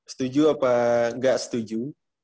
setuju apa gak setuju